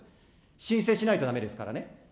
申請しないとだめですからね。